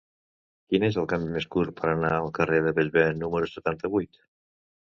Quin és el camí més curt per anar al carrer de Bellver número setanta-vuit?